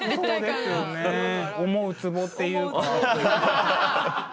思うつぼっていうか。